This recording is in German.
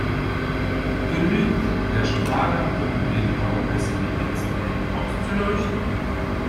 Genügt der Strahler, um den Raum bis in die letzten Ecken auszuleuchten?